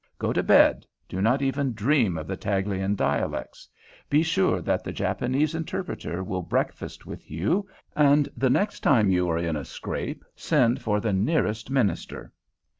Go to bed; do not even dream of the Taghalian dialects; be sure that the Japanese interpreter will breakfast with you, and the next time you are in a scrape send for the nearest minister.